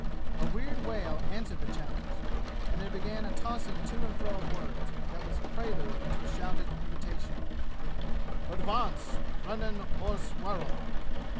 A weird wail answered the challenge, and there began a tossing to and fro of words, that was prelude to a shouted invitation: "Ud vance frrrennen orsss werrul!"